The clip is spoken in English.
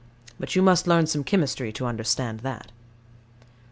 But you must learn some chemistry to understand that.